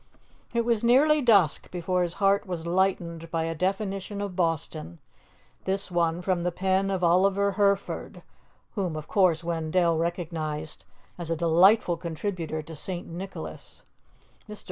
It was nearly dusk before his heart was lightened by a definition of Boston, this one from the pen of Oliver Herford, whom of course Wendell recognized as a delightful contributor to St. Nicholas. Mr.